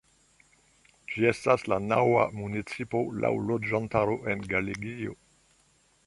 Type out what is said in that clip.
Ĝi estas la naŭa municipo laŭ loĝantaro en Galegio.